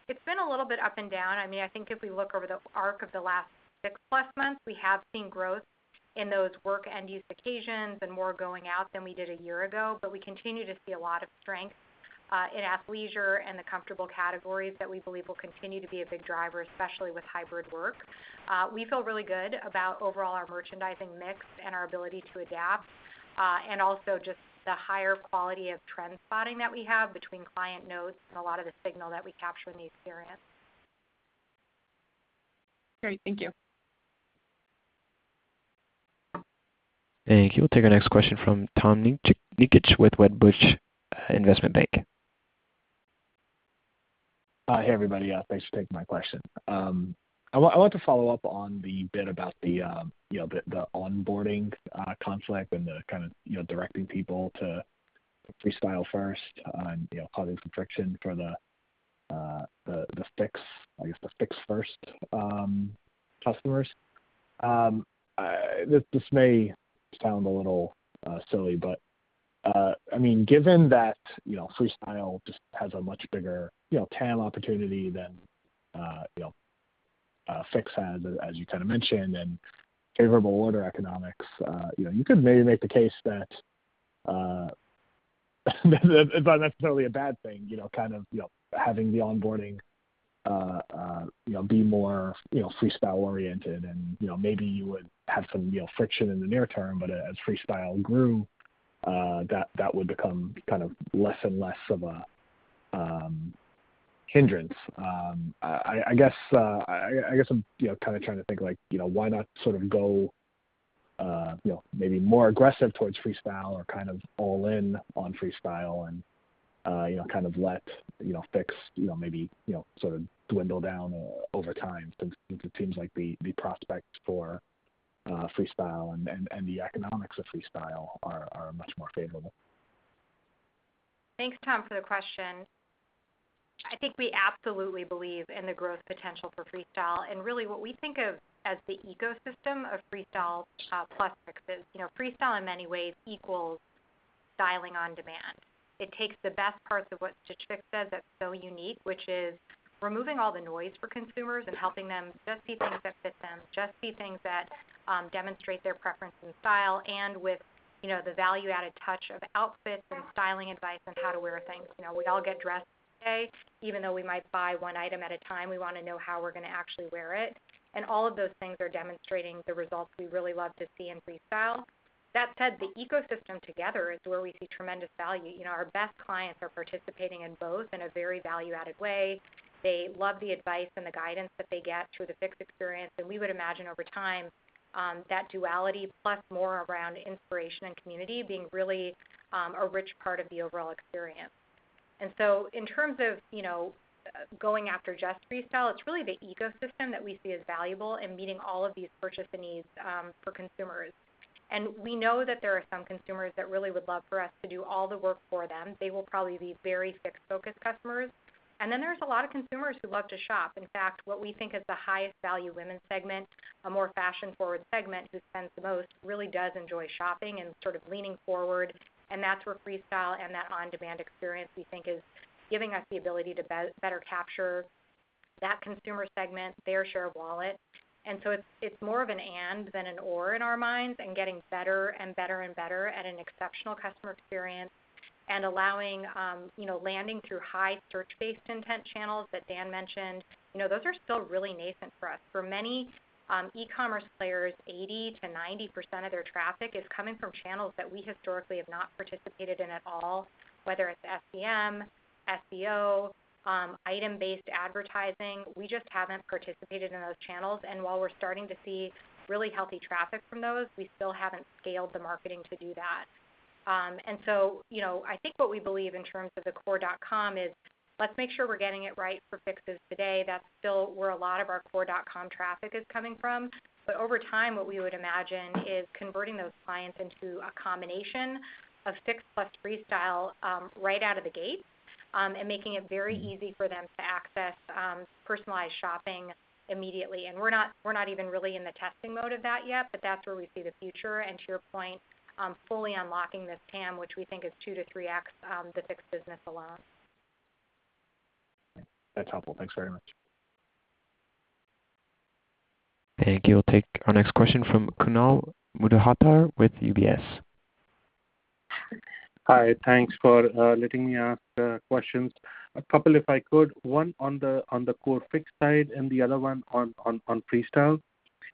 It's been a little bit up and down. I mean, I think if we look over the arc of the last six plus months, we have seen growth in those work and use occasions and more going out than we did a year ago. We continue to see a lot of strength in athleisure and the comfortable categories that we believe will continue to be a big driver, especially with hybrid work. We feel really good about overall our merchandising mix and our ability to adapt, and also just the higher quality of trend spotting that we have between client notes and a lot of the signal that we capture in the experience. Great. Thank you. Thank you. We'll take our next question from Tom Nikic with Wedbush Securities. Hey, everybody. Thanks for taking my question. I want to follow up on the bit about the onboarding conflict and the kind of directing people to Freestyle first and causing some friction for the Fix, I guess the Fix first customers. This may sound a little silly, but I mean, given that, you know, Freestyle just has a much bigger, you know, TAM opportunity than, you know, Fix has as you kinda mentioned, and favorable order economics, you know, you could maybe make the case that it's not necessarily a bad thing, you know, kind of, you know, having the onboarding, you know, be more, you know, Freestyle oriented and, you know, maybe you would have some, you know, friction in the near term, but as Freestyle grew, that would become kind of less and less of a hindrance. I guess I'm, you know, kinda trying to think like, you know, why not sort of go, you know, maybe more aggressive towards Freestyle or kind of all in on Freestyle and, you know, kind of let, you know, Fix, you know, maybe, you know, sort of dwindle down over time since it seems like the prospect for Freestyle and the economics of Freestyle are much more favorable. Thanks, Tom, for the question. I think we absolutely believe in the growth potential for Freestyle. Really what we think of as the ecosystem of Freestyle, plus Fix is, you know, Freestyle in many ways equals styling on demand. It takes the best parts of what Stitch Fix does that's so unique, which is removing all the noise for consumers and helping them just see things that fit them, just see things that demonstrate their preference in style and with, you know, the value-added touch of outfits and styling advice on how to wear things. You know, we all get dressed today, even though we might buy one item at a time, we wanna know how we're gonna actually wear it. All of those things are demonstrating the results we really love to see in Freestyle. That said, the ecosystem together is where we see tremendous value. You know, our best clients are participating in both in a very value-added way. They love the advice and the guidance that they get through the Fix experience. We would imagine over time that duality plus more around inspiration and community being really a rich part of the overall experience. In terms of, you know, going after just Freestyle, it's really the ecosystem that we see as valuable in meeting all of these purchase and needs for consumers. We know that there are some consumers that really would love for us to do all the work for them. They will probably be very Fix-focused customers. Then there's a lot of consumers who love to shop. In fact, what we think is the highest value women segment, a more fashion-forward segment, who spends the most, really does enjoy shopping and sort of leaning forward, and that's where Freestyle and that on-demand experience, we think, is giving us the ability to better capture that consumer segment, their share of wallet. It's more of an and than an or in our minds, and getting better and better and better at an exceptional customer experience and allowing, you know, landing through high search-based intent channels that Dan mentioned. You know, those are still really nascent for us. For many, e-commerce players, 80%-90% of their traffic is coming from channels that we historically have not participated in at all, whether it's SEM, SEO, item-based advertising. We just haven't participated in those channels. While we're starting to see really healthy traffic from those, we still haven't scaled the marketing to do that. You know, I think what we believe in terms of the core dot-com is let's make sure we're getting it right for Fixes today. That's still where a lot of our core dot-com traffic is coming from. But over time, what we would imagine is converting those clients into a combination of Fix plus Freestyle, right out of the gate, and making it very easy for them to access personalized shopping immediately. We're not even really in the testing mode of that yet, but that's where we see the future. To your point, fully unlocking this TAM, which we think is 2x-3x the Fix business alone. That's helpful. Thanks very much. Thank you. We'll take our next question from Kunal Madhukar with UBS. Hi. Thanks for letting me ask questions. A couple if I could. One on the core Fix side and the other one on Freestyle.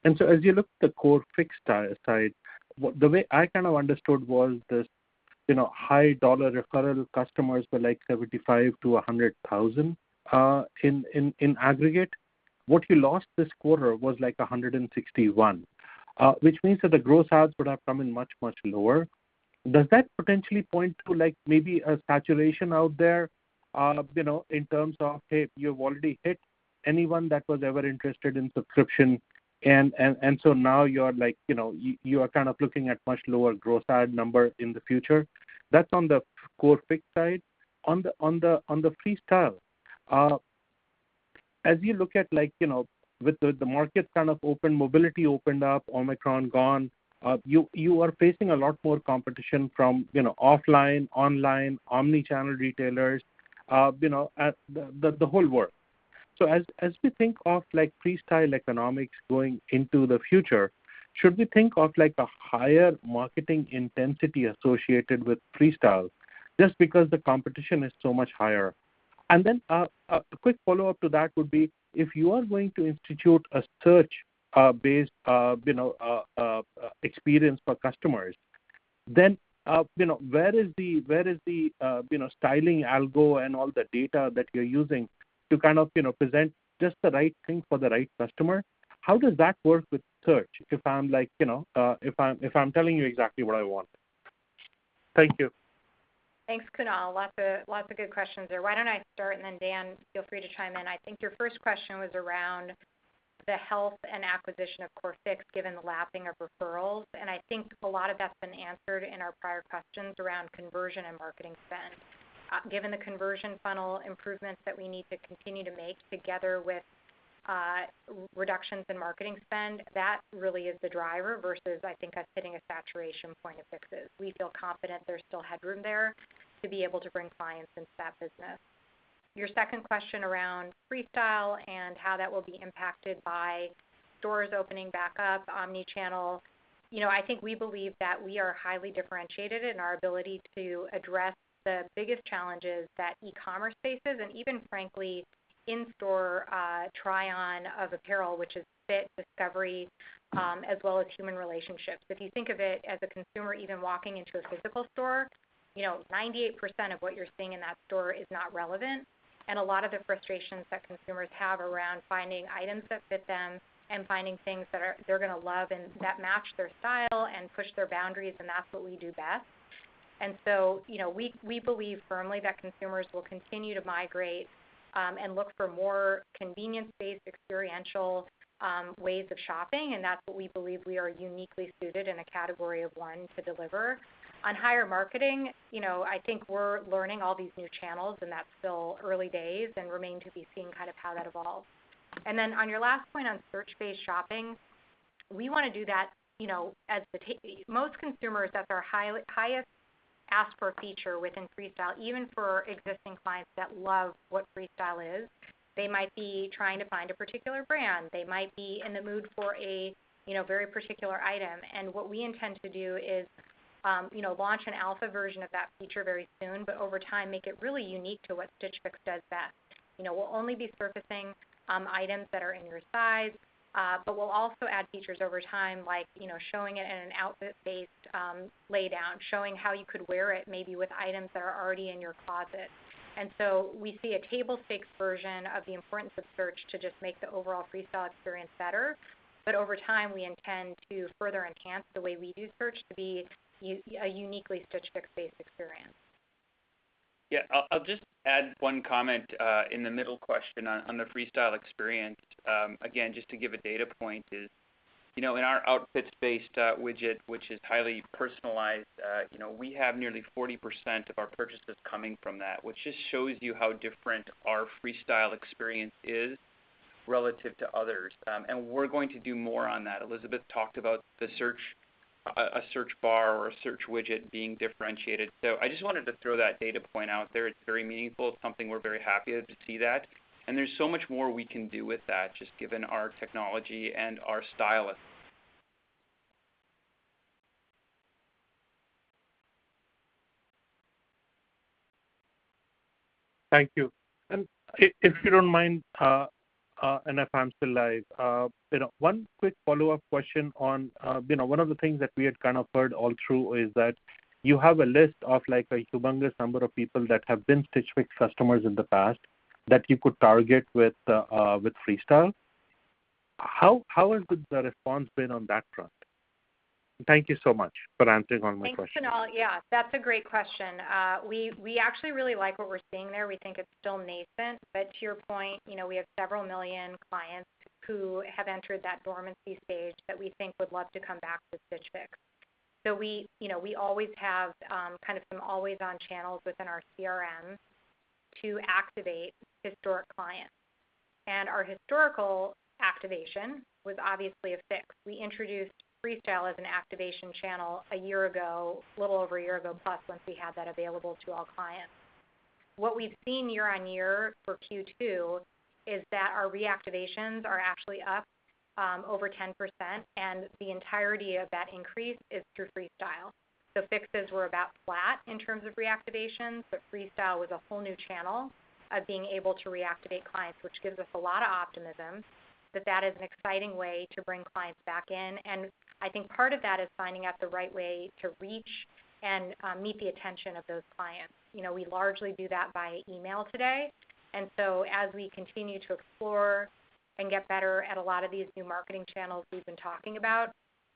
As you look at the core Fix side, the way I kind of understood was this, you know, high dollar referral customers were like 75,000-100,000 in aggregate. What you lost this quarter was like 161,000, which means that the gross adds would have come in much lower. Does that potentially point to like maybe a saturation out there, you know, in terms of, hey, you've already hit anyone that was ever interested in subscription and so now you're like, you know, you are kind of looking at much lower gross add number in the future? That's on the core Fix side. On the Freestyle, as you look at like, you know, with the market kind of open, mobility opened up, Omicron gone, you are facing a lot more competition from, you know, offline, online, omni-channel retailers, you know, at the whole world. So as we think of like Freestyle economics going into the future, should we think of like a higher marketing intensity associated with Freestyle just because the competition is so much higher? And then a quick follow-up to that would be, if you are going to institute a search-based, you know, experience for customers. Then, you know, where is the styling algo and all the data that you are using to kind of, you know, present just the right thing for the right customer? How does that work with search if I'm like, you know, if I'm telling you exactly what I want? Thank you. Thanks, Kunal. Lots of good questions there. Why don't I start, and then Dan, feel free to chime in. I think your first question was around the health and acquisition of core Fix given the lapping of referrals, and I think a lot of that's been answered in our prior questions around conversion and marketing spend. Given the conversion funnel improvements that we need to continue to make together with reductions in marketing spend, that really is the driver versus, I think, us hitting a saturation point of fixes. We feel confident there's still headroom there to be able to bring clients into that business. Your second question around Freestyle and how that will be impacted by stores opening back up, omni-channel, you know, I think we believe that we are highly differentiated in our ability to address the biggest challenges that e-commerce faces and even frankly in store try on of apparel, which is fit, discovery, as well as human relationships. If you think of it as a consumer even walking into a physical store, you know, 98% of what you're seeing in that store is not relevant, and a lot of the frustrations that consumers have around finding items that fit them and finding things that they're gonna love and that match their style and push their boundaries, and that's what we do best. You know, we believe firmly that consumers will continue to migrate and look for more convenience-based experiential ways of shopping, and that's what we believe we are uniquely suited in a category of one to deliver. On higher marketing, you know, I think we're learning all these new channels, and that's still early days and remain to be seen kind of how that evolves. On your last point on search-based shopping, we wanna do that, you know. Most consumers, that's our highest asked for feature within Freestyle, even for existing clients that love what Freestyle is. They might be trying to find a particular brand. They might be in the mood for a, you know, very particular item. What we intend to do is, you know, launch an alpha version of that feature very soon, but over time, make it really unique to what Stitch Fix does best. You know, we'll only be surfacing, items that are in your size, but we'll also add features over time, like, you know, showing it in an outfit-based, lay down, showing how you could wear it maybe with items that are already in your closet. We see a table stakes version of the importance of search to just make the overall Freestyle experience better. Over time, we intend to further enhance the way we do search to be a uniquely Stitch Fix based experience. Yeah. I'll just add one comment in the middle question on the Freestyle experience. Again, just to give a data point, you know, in our outfits based widget, which is highly personalized, you know, we have nearly 40% of our purchases coming from that, which just shows you how different our Freestyle experience is relative to others. We're going to do more on that. Elizabeth talked about the search, a search bar or a search widget being differentiated. So I just wanted to throw that data point out there. It's very meaningful. It's something we're very happy to see that. There's so much more we can do with that just given our technology and our stylists. Thank you. If you don't mind, if I'm still live, you know, one quick follow-up question on, you know, one of the things that we had kind of heard all through is that you have a list of like a humongous number of people that have been Stitch Fix customers in the past that you could target with Freestyle. How has the response been on that front? Thank you so much for answering all my questions. Thanks, Kunal. Yeah, that's a great question. We actually really like what we're seeing there. We think it's still nascent. To your point, you know, we have several million clients who have entered that dormancy stage that we think would love to come back to Stitch Fix. We, you know, always have kind of some always on channels within our CRMs to activate historic clients. Our historical activation was obviously a Fix. We introduced Freestyle as an activation channel a year ago, a little over a year ago, plus once we had that available to all clients. What we've seen year-on-year for Q2 is that our reactivations are actually up over 10%, and the entirety of that increase is through Freestyle. Fixes were about flat in terms of reactivations, but Freestyle was a whole new channel of being able to reactivate clients, which gives us a lot of optimism that that is an exciting way to bring clients back in. I think part of that is finding out the right way to reach and meet the attention of those clients. You know, we largely do that via email today. As we continue to explore and get better at a lot of these new marketing channels we've been talking about,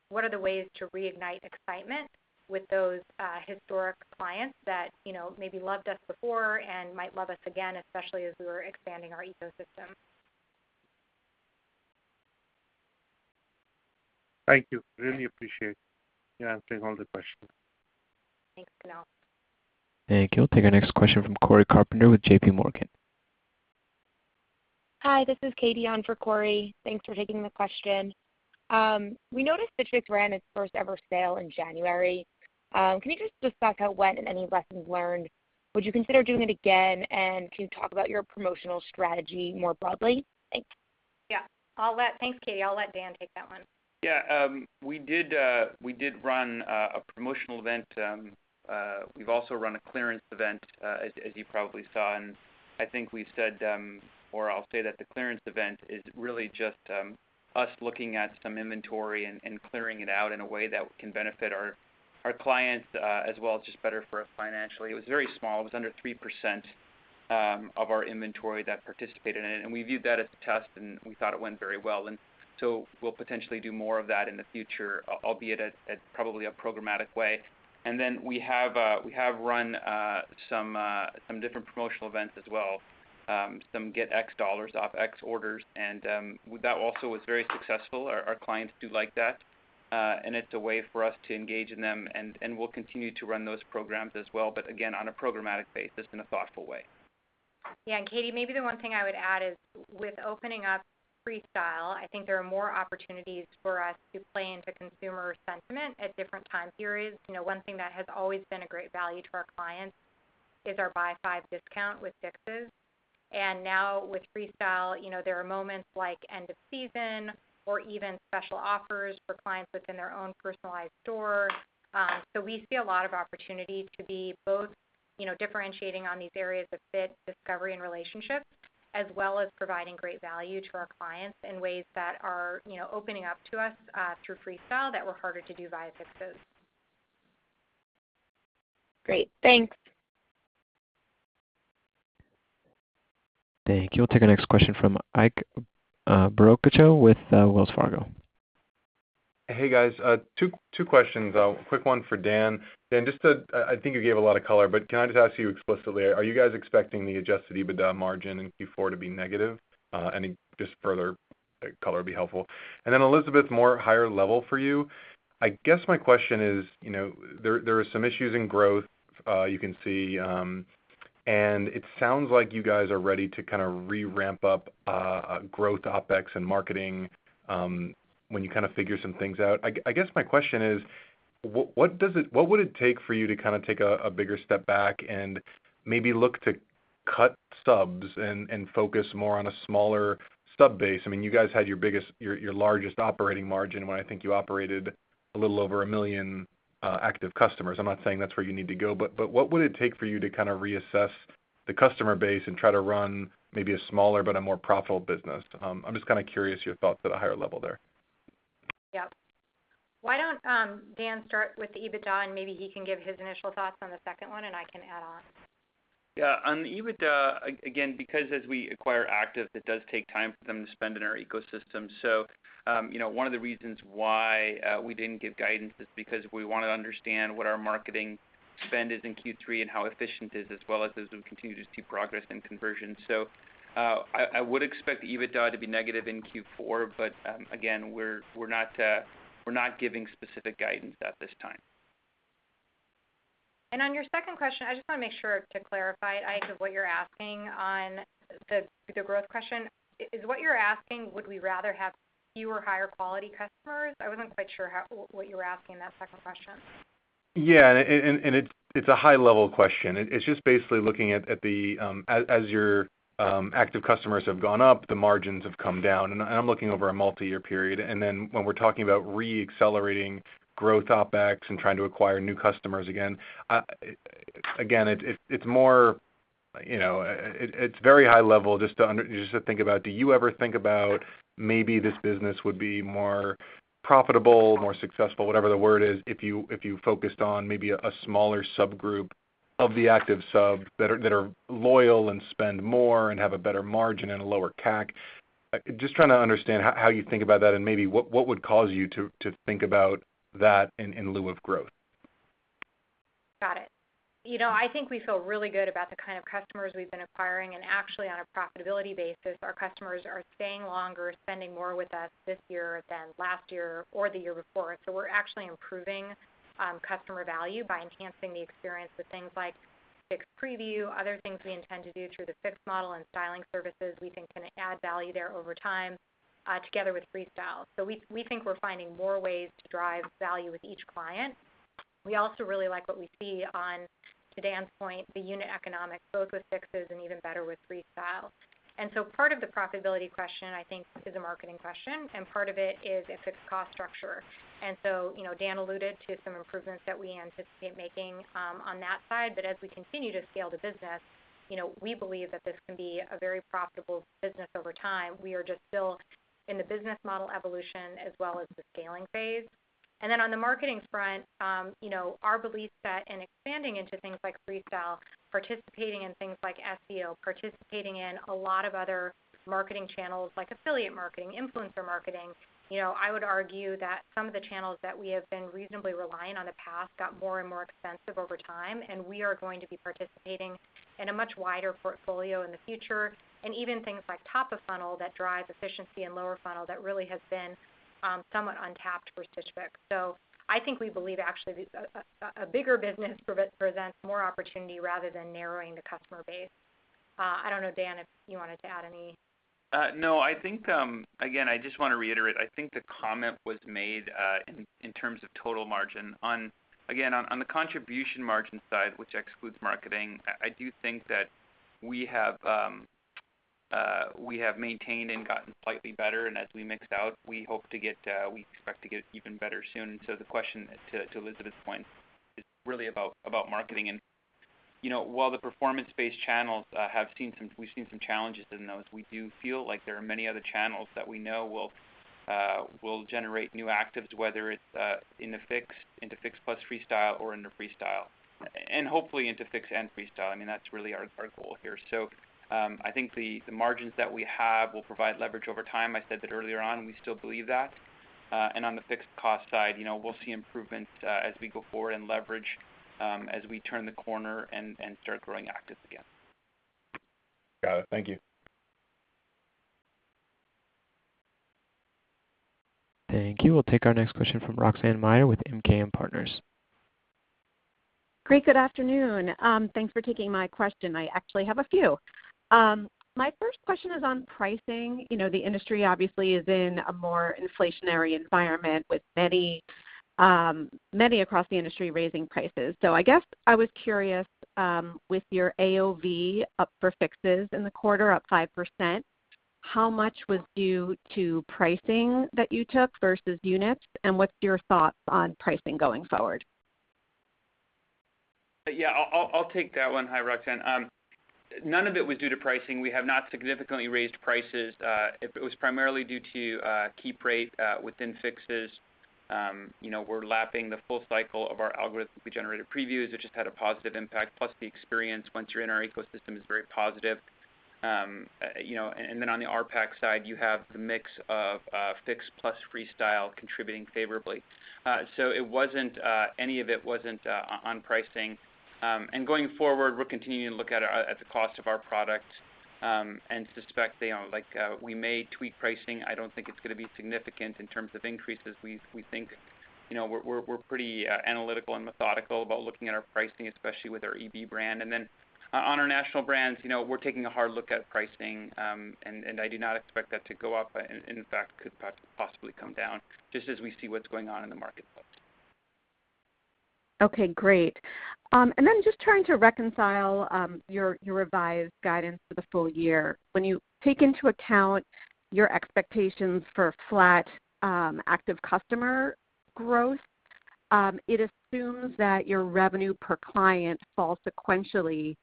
what are the ways to reignite excitement with those historic clients that, you know, maybe loved us before and might love us again, especially as we're expanding our ecosystem. Thank you. Really appreciate you answering all the questions. Thanks, Kunal. Thank you. We'll take our next question from Cory Carpenter with J.P. Morgan. Hi, this is Katie on for Cory Carpenter. Thanks for taking the question. We noticed Stitch Fix ran its first ever sale in January. Can you just discuss how it went and any lessons learned? Would you consider doing it again, and can you talk about your promotional strategy more broadly? Thanks. Yeah. Thanks, Katie. I'll let Dan take that one. Yeah. We did run a promotional event. We've also run a clearance event, as you probably saw. I think we've said, or I'll say that the clearance event is really just us looking at some inventory and clearing it out in a way that can benefit our clients, as well as just better for us financially. It was very small. It was under 3% of our inventory that participated in it, and we viewed that as a test, and we thought it went very well. We'll potentially do more of that in the future, albeit at probably a programmatic way. We have run some different promotional events as well, some get X dollars off X orders, and that also was very successful. Our clients do like that, and it's a way for us to engage in them, and we'll continue to run those programs as well, but again, on a programmatic basis in a thoughtful way. Yeah. Katie, maybe the one thing I would add is with opening up Freestyle, I think there are more opportunities for us to play into consumer sentiment at different time periods. You know, one thing that has always been a great value to our clients is our buy five discount with Fixes. Now with Freestyle, you know, there are moments like end of season or even special offers for clients within their own personalized store. So we see a lot of opportunity to be both, you know, differentiating on these areas of fit, discovery and relationship, as well as providing great value to our clients in ways that are, you know, opening up to us through Freestyle that were harder to do via Fixes. Great. Thanks. Thank you. We'll take our next question from Ike Boruchow with Wells Fargo. Hey, guys. two questions. Quick one for Dan. Dan, I think you gave a lot of color, but can I just ask you explicitly, are you guys expecting the Adjusted EBITDA margin in Q4 to be negative? Any just further color would be helpful. Elizabeth, more higher level for you. I guess my question is, you know, there are some issues in growth you can see, and it sounds like you guys are ready to kind of re-ramp up growth, OpEx and marketing, when you kind of figure some things out. I guess my question is: What would it take for you to kind of take a bigger step back and maybe look to cut subs and focus more on a smaller sub base? I mean, you guys had your biggest, your largest operating margin when I think you operated a little over 1 million active customers. I'm not saying that's where you need to go, but what would it take for you to kind of reassess the customer base and try to run maybe a smaller but a more profitable business? I'm just kind of curious your thoughts at a higher level there. Yeah. Why don't, Dan, start with the EBITDA, and maybe he can give his initial thoughts on the second one, and I can add on. Yeah. On the EBITDA, again, because as we acquire active, it does take time for them to spend in our ecosystem. You know, one of the reasons why we didn't give guidance is because we wanna understand what our marketing spend is in Q3 and how efficient it is, as well as we continue to see progress in conversion. I would expect EBITDA to be negative in Q4, but again, we're not giving specific guidance at this time. On your second question, I just wanna make sure to clarify, Ike, what you're asking on the growth question. Is what you're asking, would we rather have fewer higher quality customers? I wasn't quite sure what you were asking in that second question. Yeah, it's a high-level question. It's just basically looking at as your active customers have gone up, the margins have come down, and I'm looking over a multiyear period. When we're talking about reaccelerating growth OpEx and trying to acquire new customers again, it's more, you know, it's very high-level just to think about. Do you ever think about maybe this business would be more profitable, more successful, whatever the word is, if you focused on a smaller subgroup of the active subs that are loyal and spend more and have a better margin and a lower CAC? Just trying to understand how you think about that and maybe what would cause you to think about that in lieu of growth? Got it. You know, I think we feel really good about the kind of customers we've been acquiring, and actually on a profitability basis, our customers are staying longer, spending more with us this year than last year or the year before. We're actually improving customer value by enhancing the experience with things like Fix Preview, other things we intend to do through the Fix Model and styling services we think can add value there over time, together with Freestyle. We think we're finding more ways to drive value with each client. We also really like what we see on, to Dan's point, the unit economics, both with Fixes and even better with Freestyle. Part of the profitability question, I think, is a marketing question, and part of it is a Fix cost structure. You know, Dan alluded to some improvements that we anticipate making on that side. As we continue to scale the business, you know, we believe that this can be a very profitable business over time. We are just still in the business model evolution as well as the scaling phase. Then on the marketing front, you know, our belief set in expanding into things like Freestyle, participating in things like SEO, participating in a lot of other marketing channels like affiliate marketing, influencer marketing, you know, I would argue that some of the channels that we have been reasonably reliant on in the past got more and more expensive over time, and we are going to be participating in a much wider portfolio in the future, and even things like top of funnel that drive efficiency and lower funnel that really has been somewhat untapped for Stitch Fix. I think we believe actually a bigger business presents more opportunity rather than narrowing the customer base. I don't know, Dan, if you wanted to add any. No. I think, again, I just wanna reiterate, I think the comment was made, in terms of total margin. On again, on the contribution margin side, which excludes marketing, I do think that we have maintained and gotten slightly better, and as we mix out, we hope to get, we expect to get even better soon. The question, to Elizabeth's point, is really about marketing and you know, while the performance-based channels have seen some we've seen some challenges in those, we do feel like there are many other channels that we know will generate new actives, whether it's in the Fix, into Fix Plus Freestyle or into Freestyle, and hopefully into Fix and Freestyle. I mean, that's really our goal here. I think the margins that we have will provide leverage over time. I said that earlier on, and we still believe that. On the fixed cost side, you know, we'll see improvements as we go forward and leverage as we turn the corner and start growing actives again. Got it. Thank you. Thank you. We'll take our next question from Roxanne Meyer with MKM Partners. Great, good afternoon. Thanks for taking my question. I actually have a few. My first question is on pricing. You know, the industry obviously is in a more inflationary environment with many across the industry raising prices. So I guess I was curious, with your AOV up for Fixes in the quarter, up 5%, how much was due to pricing that you took versus units, and what's your thoughts on pricing going forward? Yeah, I'll take that one. Hi, Roxanne. None of it was due to pricing. We have not significantly raised prices. It was primarily due to keep rate within Fixes. You know, we're lapping the full cycle of our algorithmically generated previews, which just had a positive impact, plus the experience once you're in our ecosystem is very positive. You know, and then on the RPAC side, you have the mix of Fix plus Freestyle contributing favorably. It wasn't any of it on pricing. Going forward, we're continuing to look at the cost of our product and suspect you know like we may tweak pricing. I don't think it's gonna be significant in terms of increases. We think, you know, we're pretty analytical and methodical about looking at our pricing, especially with our EB. Then on our national brands, you know, we're taking a hard look at pricing, and I do not expect that to go up, and in fact, could possibly come down just as we see what's going on in the market. Okay, great. Then just trying to reconcile your revised guidance for the full year. When you take into account your expectations for flat active customer growth, it assumes that your revenue per client falls sequentially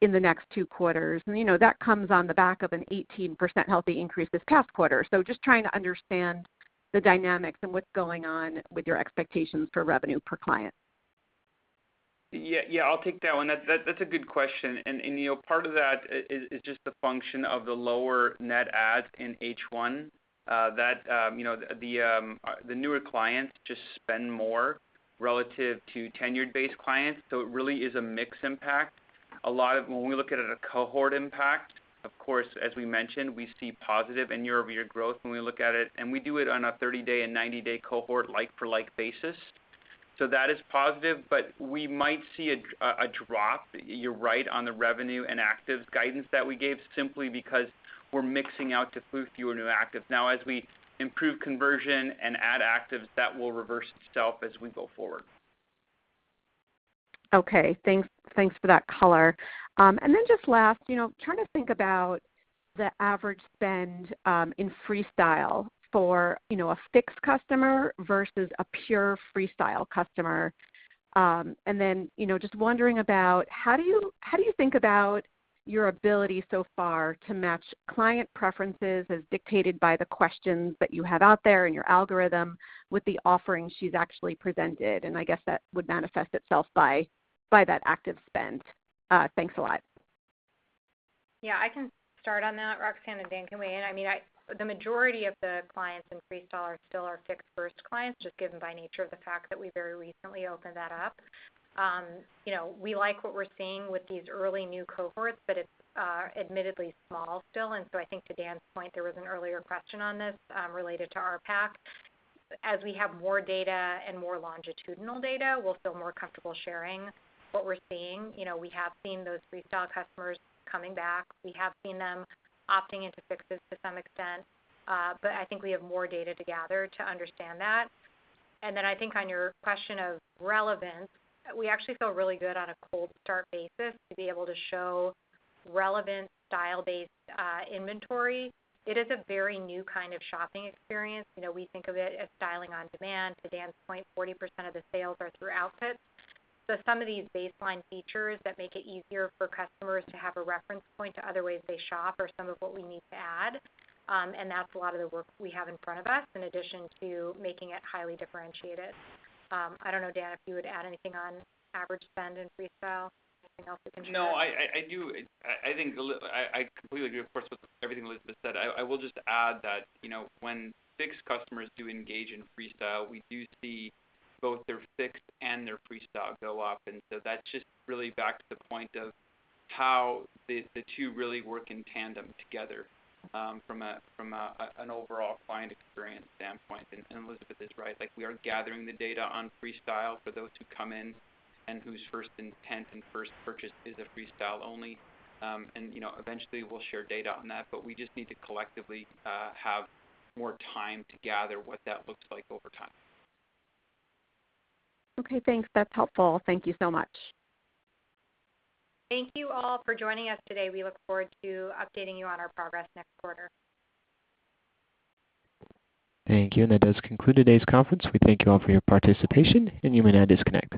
in the next two quarters. You know, that comes on the back of an 18% healthy increase this past quarter. Just trying to understand the dynamics and what's going on with your expectations for revenue per client. Yeah, yeah, I'll take that one. That's a good question. You know, part of that is just the function of the lower net add in H1, that you know, the newer clients just spend more relative to tenured-based clients, so it really is a mix impact. When we look at it at a cohort impact, of course, as we mentioned, we see positive year-over-year growth when we look at it, and we do it on a 30-day and 90-day cohort like-for-like basis. So that is positive, but we might see a drop, you're right, on the revenue and actives guidance that we gave simply because we're mixing out to fewer new actives. Now as we improve conversion and add actives, that will reverse itself as we go forward. Okay. Thanks for that color. And then just last, you know, trying to think about the average spend in Freestyle for, you know, a Fix customer versus a pure Freestyle customer. And then, you know, just wondering about how do you think about your ability so far to match client preferences as dictated by the questions that you have out there and your algorithm with the offerings she's actually presented. I guess that would manifest itself by that average spend. Thanks a lot. Yeah, I can start on that, Roxanne, and Dan can weigh in. I mean, the majority of the clients in Freestyle are still our Fix first clients, just given by nature of the fact that we very recently opened that up. You know, we like what we're seeing with these early new cohorts, but it's admittedly small still. I think to Dan's point, there was an earlier question on this, related to RPAC. As we have more data and more longitudinal data, we'll feel more comfortable sharing what we're seeing. You know, we have seen those Freestyle customers coming back. We have seen them opting into Fixes to some extent. But I think we have more data to gather to understand that. I think on your question of relevance, we actually feel really good on a cold start basis to be able to show relevant style-based inventory. It is a very new kind of shopping experience. You know, we think of it as styling on demand. To Dan's point, 40% of the sales are through outfits. Some of these baseline features that make it easier for customers to have a reference point to other ways they shop are some of what we need to add, and that's a lot of the work we have in front of us, in addition to making it highly differentiated. I don't know, Dan, if you would add anything on average spend in Freestyle. Anything else we can share? No, I do. I completely agree, of course, with everything Elizabeth said. I will just add that, you know, when Fix customers do engage in Freestyle, we do see both their Fix and their Freestyle go up. That just really backs the point of how the two really work in tandem together from an overall client experience standpoint. Elizabeth is right, like, we are gathering the data on Freestyle for those who come in and whose first intent and first purchase is a Freestyle only. You know, eventually we'll share data on that, but we just need to collectively have more time to gather what that looks like over time. Okay, thanks. That's helpful. Thank you so much. Thank you all for joining us today. We look forward to updating you on our progress next quarter. Thank you, and that does conclude today's conference. We thank you all for your participation, and you may now disconnect.